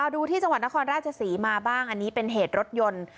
ดูที่จังหวัดนครราชศรีมาบ้างอันนี้เป็นเหตุรถยนต์